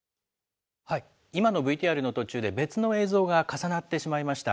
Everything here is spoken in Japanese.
今のＶＴＲの途中で、別の映像が重なってしまいました。